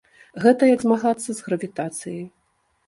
Гэта як змагацца з гравітацыяй.